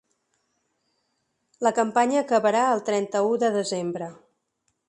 La campanya acabarà el trenta-u de desembre.